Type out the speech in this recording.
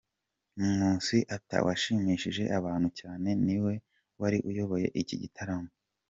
Nkusi Arthur washimishije abantu cyane niwe wari uyoboye iki gitaramo.